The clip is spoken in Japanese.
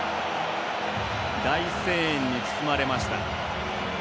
大声援に包まれました。